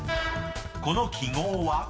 ［この記号は？］